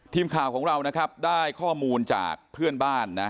ทีมข่าวของเรานะครับได้ข้อมูลจากเพื่อนบ้านนะ